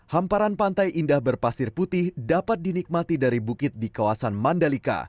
hamparan pantai indah berpasir putih dapat dinikmati dari bukit di kawasan mandalika